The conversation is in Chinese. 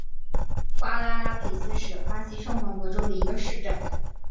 瓜拉拉佩斯是巴西圣保罗州的一个市镇。